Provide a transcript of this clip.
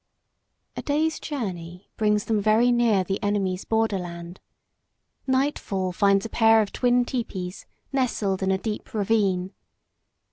A day's journey brings them very near the enemy's borderland. Nightfall finds a pair of twin tepees nestled in a deep ravine.